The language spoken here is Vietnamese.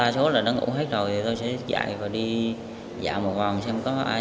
chú đại lộc quảng ngãi